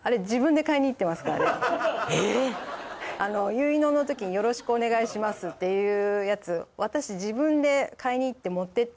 結納の時によろしくお願いしますっていうやつ